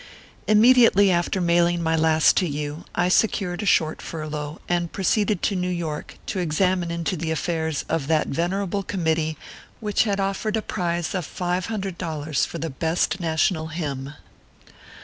IMMEDIATELY after mailing my last to you, I se cured a short furlough, and proceeded to New York, to examine into the affairs of that venerable Commit tee which had offered a prize of $500 for the best National Hymn.